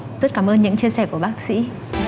rất cảm ơn những chia sẻ của bác sĩ